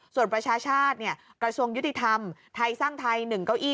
ส่วนประชาชาติกระทรวงยุติธรรมไทยสร้างไทย๑เก้าอี้